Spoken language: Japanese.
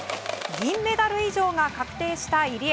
銀メダル以上が確定した入江。